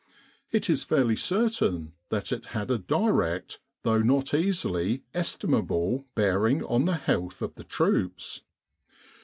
It is fairly certain that it had a direct, though not easily estimable, bearing on the health of the troops.